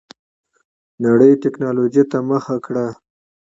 نړۍ ټيکنالوجۍ ته مخه کړه.